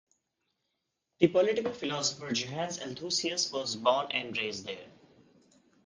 The political philosopher Johannes Althusius was born and raised there.